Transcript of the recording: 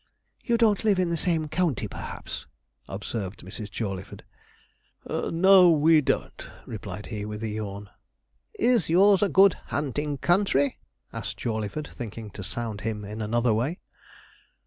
'You don't live in the same county, perhaps?' observed Mrs. Jawleyford. 'No, we don't,' replied he, with a yawn. 'Is yours a good hunting country?' asked Jawleyford, thinking to sound him in another way.